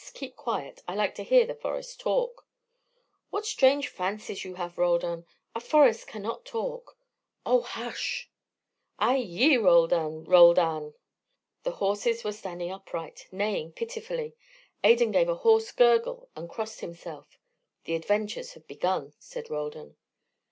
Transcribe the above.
Keep quiet. I like to hear the forest talk." "What strange fancies you have, Roldan. A forest cannot talk." "Oh hush." "Ay, yi, Roldan! Roldan!" The horses were standing upright, neighing pitifully. Adan gave a hoarse gurgle and crossed himself. "The adventures have begun," said Roldan.